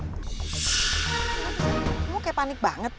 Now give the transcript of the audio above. kamu kayak panik banget